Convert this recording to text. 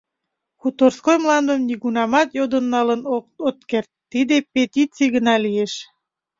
— Хуторской мландым нигунамат йодын налын от керт, тиде петиций гына лиеш.